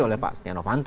oleh pak setia novanto